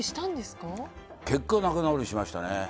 結果、仲直りしましたね。